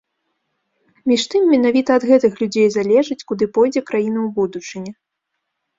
Між тым, менавіта ад гэтых людзей залежыць, куды пойдзе краіна ў будучыні.